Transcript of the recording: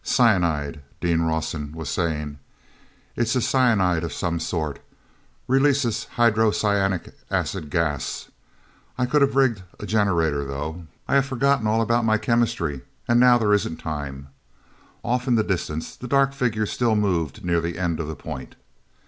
"Cyanide," Dean Rawson was saying. "It's a cyanide of some sort—releases hydrocyanic acid gas. I could have rigged a generator, though I've forgotten about all of my chemistry—and now there isn't time." Off in the distance the dark figures still moved near the end of the point.